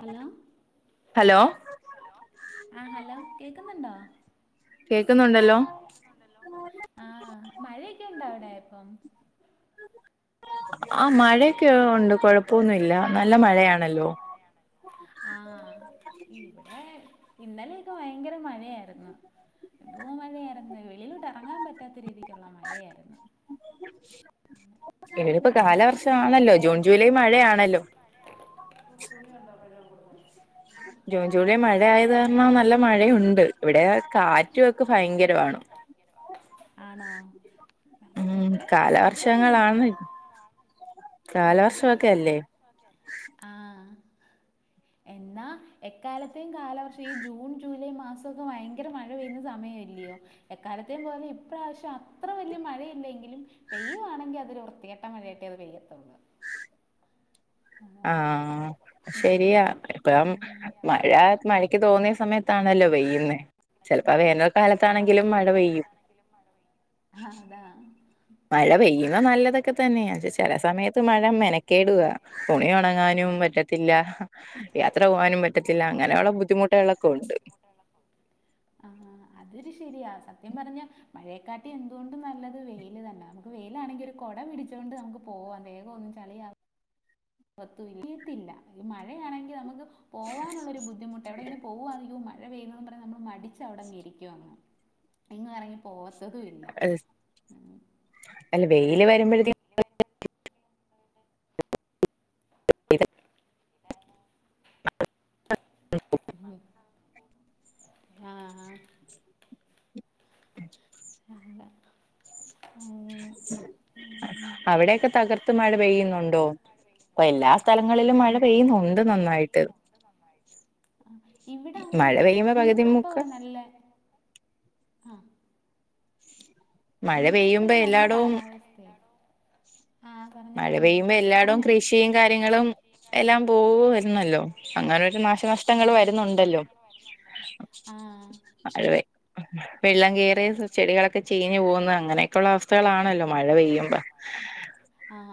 Hello hello? Hello, ആഹ hello കേക്കുന്നുണ്ടോ? കേൾക്കുന്നുണ്ടല്ലോ. ആഹ മഴയൊക്കെ ഉണ്ട അവിടെ ഇപ്പോൾ. ആ മഴ ആഹ മഴയൊക്കെ ഉണ്ട് കൊഴപ്പൊന്നുമല്ല മഴയാണല്ലോ നല്ല മഴയാണല്ല. ആഹ ഇവിടെ ഇന്നലെയൊക്കെ ഭയങ്കര മഴയായിരുന്നു. എന്തോ മഴയായിരുന്നു വെളിയിലോട്ട് ഇറങ്ങാൻ പറ്റാത്ത രീതിക്കുള്ള മഴയായിരുന്നു. ഇനി ഇപ്പൊ എന്നാ കാലവർഷമാണല്ലോ, ജൂൺ ജൂലൈ മഴയാണല്ലോ. [unintelligible] ല്ലപ്പ ജൂൺ ജൂലൈ മഴ ആയത് കാരണം നല്ല മഴയുണ്ട് നല്ല ഇവിടെ പണി ഇണ്ട്. കാറ്റും ഒക്കെ ഭയങ്കരമാണ് ആണോ ഉം ഇവിടെ കാറ്റൊന്നുമല്ല. കാലവർഷങ്ങളാണ് ഉ കാലവർഷമൊക്കെ അല്ലേ ആഹ എന്നാൽ എക്കാലത്തെയും കാലവർഷം ഈ ജൂൺ ജൂലൈ മാസമൊക്കെ ഭയങ്കര മഴ പെയ്യുന്ന സമയമ അല്ലെ! എക്കാലത്തെയ പോലെ ഇപ്രാവശ്യം അത്ര വലിയ മഴയില്ലെങ്കിലും പെയ്യുവാണെങ്കിൽ അതിൽ വൃത്തിയാട്ട പട്ടം വഴിയട്ട അത് പരിയത്തുണ്ട്. ആഹ ശെരിയാ. ഇപ്പം മഴ മഴക്ക് തോന്നിയ സമയത്താണല്ലോ വെയ്യ െ ചിലപ്പോ വേനൽ കാലത്താണെങ്കിലും മഴ പെയ്യും. ആഹ അതാ. മഴ പെയ്യുന്ന നല്ലതൊക്കെ തന്നെയാ. ചില സമയത്ത് മഴ മെനക്കേടു ആകുവാ, തുണി ഉണങ്ങാനും പറ്റ യാത്ര പോകാനും പറ്റത്തില്ല അങ്ങനെയുള്ളദ് ു ആ അതൊരു ശരിയാ സത്യം പറഞ്ഞ മഴയെക്കാൾ എന്തുകൊണ്ടും നല്ലത് വെയില് തന്നെ, നമുക്ക് വെയിലാണെങ്കിൽ ഒരു കുട പിടിച്ചുക കൊണ്ട് നമുക്ക് പോവാ അ വേഗ ഒും ചളിയ. പറ്റത്തില്ല ഈ മഴയാണെങ്കിൽ നമുക്ക് പോകാനുള്ള ഒരു ബുദ്ധിമുട്ട് എവിടെ ഇങ്ങനെ പോകുമ്പളും വ വെയ്യുന്ന പറയാ നമ്മൾ മടിച്ചു അവിടെന്ന്െ ഇരിക്കുവയാണ്. ഇങ്ങറങ്ങി പോവാത്തതുംല് അല്ല വെയില് വരുമ്പോഴത്തേക്കും പിന്ന വരുമ്പോണ്ട് [unintelligible] ഇതാണ്. ആഹ അ അങ്ങെ അവിടെയൊക്കെ തകർത്ത് മഴ അവിടെയൊക്കെ പെയ്യുന്നുണ്ടോ തകർത്ത് മഴ ഇപ്പൊ പെയ്യുന്നുണ്ടോ, എല്ലാ സ്ഥലങ്ങളിലും മഴ എല്ലാ പെയ്യുന്നുണ്ട് സ്ഥലങ്ങളിലും മഴ നന്നായിട്ട് പെയ്യുന്നുോ ആ ഇവിടെ മഴ അങ്ങനല്ല പെയ്യുമ്പോ പകുതി ഇന്നപ്പോ മുക്ക നല്ല മഴ ഇന്നിപ്പോ പെയ്യുമ്പോ നല്ല എല്ലായിടവും കാലാവസ്ഥയാണ്. ആ പറഞ്ഞോ മഴ പറഞ്ഞോ പെയ്യുമ്പോ എല്ലായിടും പറഞ്ഞോ കൃഷിയും കാര്യങ്ങളും എല്ലാം പോവമായിരുന്നല്ലോ. അങ്ങനെൊരു ആ നാശനഷ്ടങ്ങൾ വരുന്നുണ്ടല്ലോ ആ അത്തെ വെള്ളം കേയറിയ ചെടികളൊക്കെ ചീഞ്ഞ് പോകുന്ന അങ്ങനെയൊക്കെയുള്ളള്ള അവസ്ഥകളാണല്ലോ മഴ പെയ്യുമ്പോ. ആഹ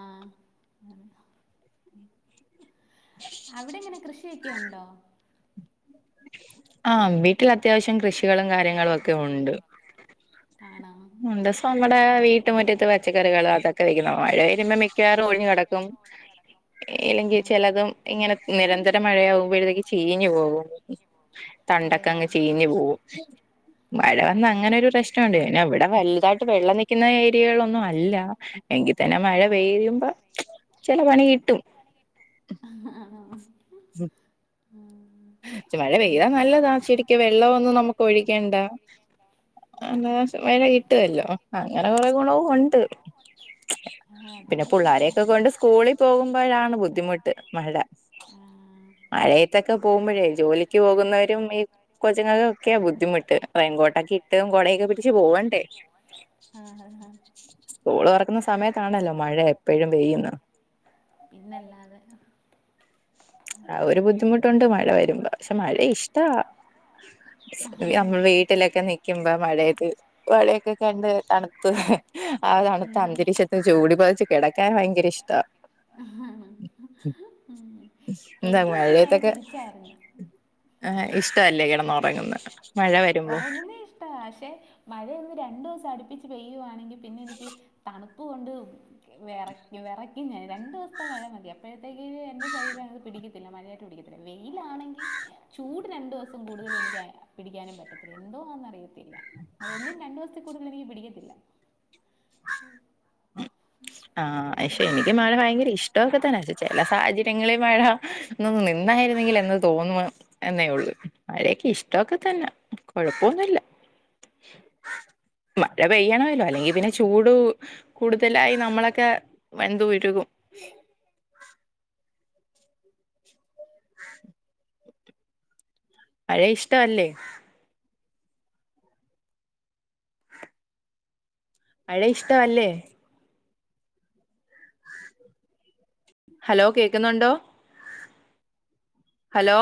അവിടെങ്ങനെ കൃഷി ഒക്കെ ഉണ്ടോ ആഹ് മി വീട്ടിൽ അത്യാവശ്യം കൃഷികളും കാര്യങ്ങളും ഒക്കെ ഉണ്ട് ആണോ ഒരു ദിവസം നമ്മുടെ വീട്ട വീട്ടുമുറ്റത്ത് പച്ചക്കറികൾ അതൊക്കെ വയ്ക്കും മഴ പെയ്യുമ്പോൾ മിക്കവാറും ഒഴിഞ്ഞ് കിടക്കും ഇല്ലെങ്കിൽ ആഹ് ചിലതും ഇങ്ങനെ നിരന്തര മഴയാകുമ്പോഴത്തേക്ക് ചീഞ്ഞു പോകും തണ്ടൊക്കെ അതെയോ അങ്ങ് ചീഞ്ഞ് പോകും മഴ വന്ന അങ്ങനെ ഒരു പ്രശ്നം ഉണ്ട് ഇവിടെ വലുതായിട്ട് വെള്ളം നിൽക്കുന്ന ഏരിയകളൊന്നും അല്ല എങ്കിൽ തന്നെ മഴ പെയ്യുമ്പം ചില പണി കിട്ടും ആഹ് ആഹ് പക്ഷെ മഴ പെയ്താ നമ്മക്ക് നല്ലതാ ശരിക്ക് വെള്ളമൊന്നും ശരിക്കും വെള്ളം ഒന്നും നമുക്ക് ഒഴിക്കണ്ട അല്ല മഴ കിട്ടുവല്ലോ അങ്ങനെ കുറെ ഗുണവും ഉണ്ട് ആ അത് പിന്നെ ശരിയാണ് പിള്ളോരെയൊക്കെ കൊണ്ട് സ്കൂളിൽ പോകുമ്പോഴാണ് ബുദ്ധിമുട്ട് മഴ ആ, മഴയത്തൊക്കെ പോകുമ്പോഴേ ജോലിക്ക് പോകുന്നവരും ഈ കൊച്ചുങ്ങളെ ഒക്കെയ ബുദ്ധിമുട്ട് റേയിൻകോട്ടൊക്കെ ഇട്ട് കൊടയൊക്കെ പിടിച്ചു പോവണ്ടേ ആ, ആ, സ്കൂള് തുറക്കുന്ന സമയത്താണല്ലോ മഴ എപ്പോഴും പെയ്യുന്ന പിന്നല്ലാതെ ഉം. ആഹ് ഒരു ബുദ്ധിമുട്ടുണ്ട് മഴ വരുമ്പോ പക്ഷേ മഴ ഇഷ്ട വാ നമ്മൾ വീട്ടിലൊക്കെ നിക്കുമ്പോ മഴയത്ത് മഴയൊക്കെ കണ്ട് തണുത്തു ആഹ് തണുത്ത അന്തരീക്ഷം ചൂടി പുതച്ച് കിടക്കാൻ ഭയങ്കര ഇഷ്ടാ ആഹ് എനിക്ക് പക്ഷേ നേരെ തിരിച്ചായിരുന്നു ആഹ് ഇഷ്ടമല്ലേ കിടന്ന് ഉറങ്ങുന്ന ഉറങ്ങുന്നേ ഇഷ്ടമാ പക്ഷേ മഴയൊന്ന് രണ്ടു ദിവസം അടുപ്പിച്ച് പെയ്യുവാണെങ്കിൽ പിന്നെ എനിക്ക് തണുപ്പ് കൊണ്ട് വിറയ്ക്കും ഞാൻ രണ്ടു ദിവസത്തെ മഴ മതി അപ്പോഴത്തേക്ക് എന്റെ ശരീരം അത് പിടിക്കില്ല പിന്നെ മഴയായിട്ട് പിടിക്കത്തില്ല വെയിലാണെങ്കിൽ ചൂട് രണ്ടു ദിവസം കൂടുതല് എനിക്ക് പിടിക്കാനും പറ്റത്തില്ല എന്തോന്ന് അറിയത്തില്ല അതൊന്നും രണ്ടു ദിവസത്തിൽ കൂടുതൽ എനിക്ക് പിടിക്കത്തില്ല ആഹ് പക്ഷേ എനിക്ക് മഴ ഭയങ്കര ഇഷ്ടൊക്കെ തന്നെ ചില സാഹചര്യങ്ങളിൽ മഴ ഒന്ന് നിന്നായിരുന്നെങ്കിൽ എന്ന് തോന്നു എന്നേ ഉള്ളൂ മഴയൊക്കെ ഇഷ്ടമൊക്കെ തന്നെ കൊഴപ്പൊന്നുമില്ല മഴ പെയ്യണല്ലോ അല്ലെങ്കിൽ പിന്നെ ചൂട് കൂടുതലായി നമ്മളൊക്കെ വെന്തുരുകും മഴയെ ഇഷ്ട അല്ലേ മഴയേ ഇഷ്ട അല്ലേ ഹലോ കേക്കുന്നുണ്ടോ ഹലോ